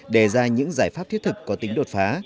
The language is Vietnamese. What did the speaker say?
đề ra những giải pháp thiết thực có tính đột phá